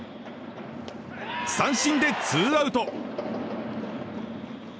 三振でツーアウト。